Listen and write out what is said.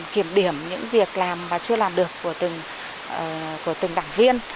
kiểm điểm những việc làm mà chưa làm được của từng đảng viên